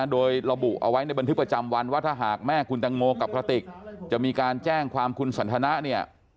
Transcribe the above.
โดยระบุเอาไว้ในบันทึกประจำวันว่าถ้าหากแม่คุณตังโมกับกระติกจะมีการแจ้งความคุณสันทนะเนี่ย